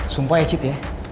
sumpah ya cid ya